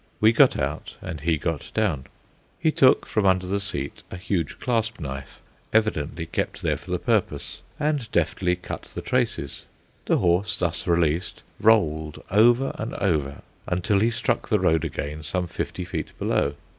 We got out, and he got down. He took from under the seat a huge clasp knife, evidently kept there for the purpose, and deftly cut the traces. The horse, thus released, rolled over and over until he struck the road again some fifty feet below.